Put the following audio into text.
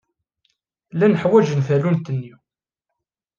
Llan ḥwaǧen tallunt-nni.